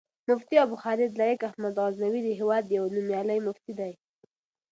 مفتي ابوخالد لائق احمد غزنوي، د هېواد يو نوميالی مفتی دی